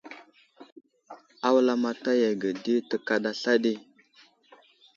A wulamataya ge di tekaɗa sla ɗi.